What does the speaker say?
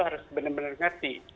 harus benar benar mengerti